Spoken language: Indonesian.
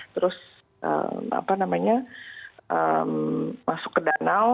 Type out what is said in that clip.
terus masuk ke danau